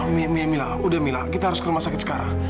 mia mila udah mila kita harus ke rumah sakit sekarang